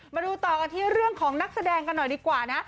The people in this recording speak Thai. มาดูต่อกันที่เรื่องของนักแสดงกันหน่อยดีกว่านะ